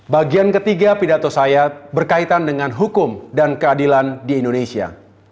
bagian ketiga pidato saya berkaitan dengan hukum dan keadilan di indonesia